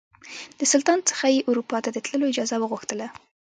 د سلطان څخه یې اروپا ته د تللو اجازه وغوښتله.